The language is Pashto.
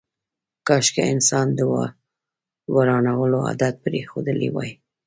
کاشکي انسان د ورانولو عادت پرېښودلی وای.